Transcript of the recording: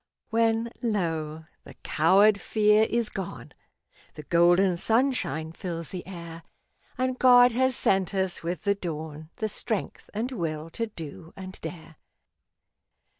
When, lo! the coward fear is gone The golden sunshine fills the air, And God has sent us with the dawn The strength and will to do and dare.